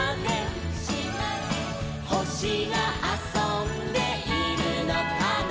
「ほしがあそんでいるのかな」